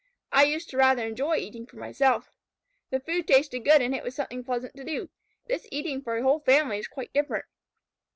I used to rather enjoy eating for myself. The food tasted good, and it was something pleasant to do. This eating for a whole family is quite different."